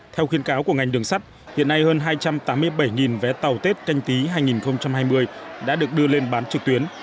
theo khuyên cáo của ngành đường sắt hiện nay hơn hai trăm tám mươi bảy vé tàu tết canh tí hai nghìn hai mươi đã được đưa lên bán trực tuyến